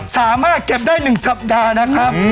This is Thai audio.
สามารถเก็บได้๑สัปดาห์นะครับ